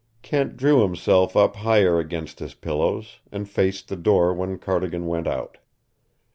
Kent drew himself up higher against his pillows and faced the door when Cardigan went out.